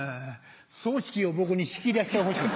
葬式を僕に仕切らしてほしい。